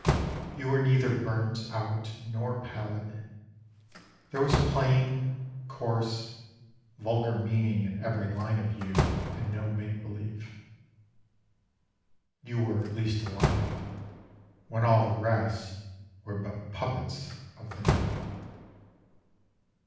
You were neither burnt out nor pallid, There was plain, coarse, vulgar meaning in every line of you And no make believe: You were at least alive, When all the rest were but puppets of the night.